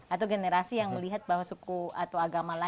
atau generasi yang melihat bahwa suku atau agama lain